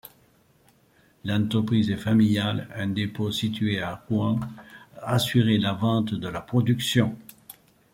L'entreprise est familiale, un dépôt situé à Rouen assurait la vente de la production.